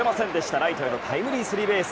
ライトへのタイムリースリーベース。